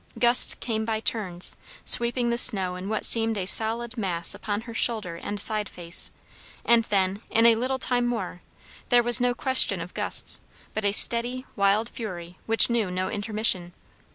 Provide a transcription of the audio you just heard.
Gusts came by turns, sweeping the snow in what seemed a solid mass upon her shoulder and side face; and then, in a little time more, there was no question of gusts, but a steady wild fury which knew no intermission.